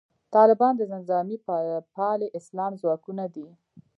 طالبان د نظامي پالي اسلام ځواکونه دي.